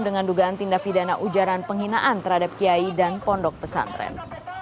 dengan dugaan tindak pidana ujaran penghinaan terhadap kiai dan pondok pesantren